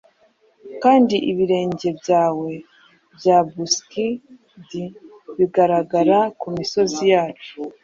kandi ibirenge byawe bya buskin'd bigaragara kumisozi yacu.